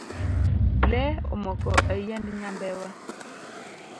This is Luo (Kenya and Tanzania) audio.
Lee omoko e yiend nyambewa.